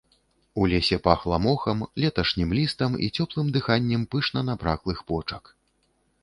У лесе пахла мохам, леташнім лістам і цёплым дыханнем пышна набраклых почак.